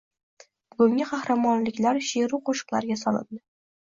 Bugungi qahramonliklar sheʼru qoʻshiqlarga solindi